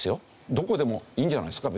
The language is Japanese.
どこでもいいんじゃないですか？